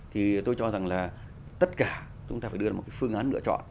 thì tôi cho rằng là tất cả chúng ta phải đưa ra một cái phương án lựa chọn